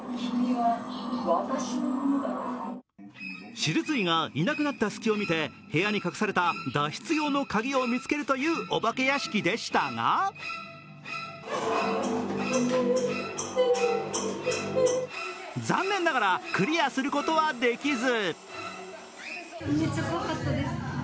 手術医がいなくなったすきを見て、部屋に隠された脱出用の鍵を見つけるというお化け屋敷でしたが残念ながらクリアすることはできず。